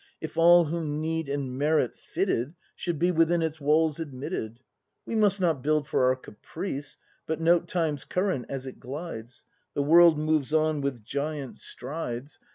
If all whom need and merit fitted. Should be within its walls admitted. We must not build for our caprice. But note Time's current as it glides; — The world moves on with giant strides.